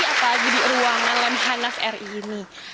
apalagi di ruangan lemhanas ri ini